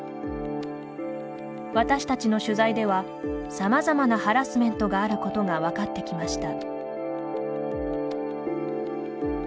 私たちの取材ではさまざまなハラスメントがあることが分かってきました。